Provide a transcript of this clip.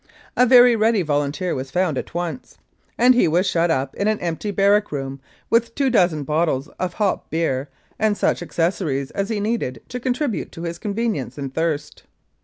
A very ready volunteer was found at once, and he was shut up in an empty barrack room with two dozen bottles of hop beer and such accessories as he needed to contribute to his convenience and thirst.